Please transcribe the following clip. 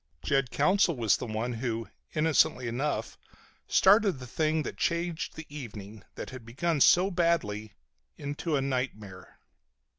Jed Counsell was the one who, innocently enough, started the thing that changed the evening, that had begun so badly, into a nightmare.